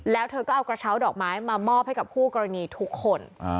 แล้วเธอก็เอากระเช้าดอกไม้มามอบให้กับคู่กรณีทุกคน